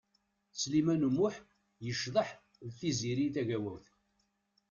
Sliman U Muḥ yecḍeḥ d Tiziri Tagawawt.